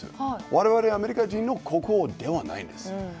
我々、アメリカ人の国王ではないんです。